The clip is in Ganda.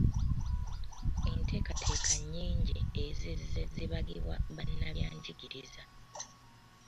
Enteekateeka nnyingi ezizze zibagibwa bannabyanjigiriza.